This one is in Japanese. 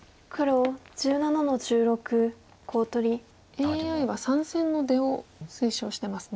ＡＩは３線の出を推奨してますね。